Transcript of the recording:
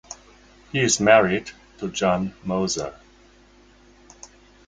He is married to Jan Moser.